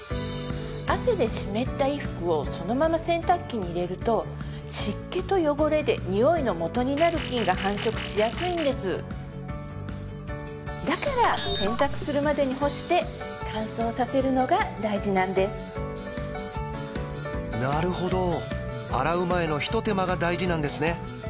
汗で湿った衣服をそのまま洗濯機に入れると湿気と汚れでニオイのもとになる菌が繁殖しやすいんですだから洗濯するまでに干して乾燥させるのが大事なんですなるほど洗う前の一手間が大事なんですね